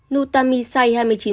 nụ tà my sai hai mươi chín tuổi